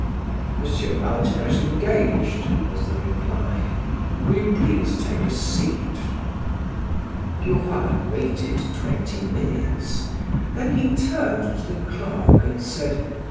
"M. Walter is engaged," was the reply. "Will you please take a seat?" Duroy waited twenty minutes, then he turned to the clerk and said: "M.